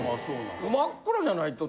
真っ暗じゃないとって。